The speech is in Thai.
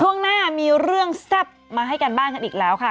ช่วงหน้ามีเรื่องแซ่บมาให้การบ้านกันอีกแล้วค่ะ